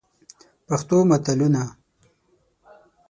پښتو متلونه: